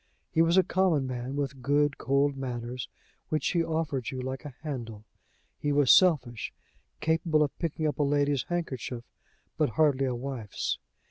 He was a common man, with good cold manners, which he offered you like a handle. He was selfish, capable of picking up a lady's handkerchief, but hardly a wife's.